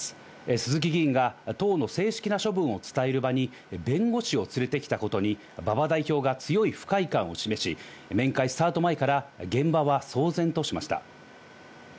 鈴木議員が党の正式な処分を伝える場に弁護士を連れてきたことに、馬場代表が強い不快感を示し、面会スタート前から現場は騒然としました。